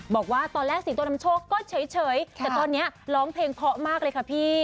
บอกว่าตอนแรกสิงโตนำโชคก็เฉยแต่ตอนนี้ร้องเพลงเพราะมากเลยค่ะพี่